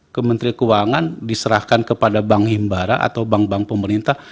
kementerian keuangan diserahkan kepada bank himbara atau bank bank pemerintah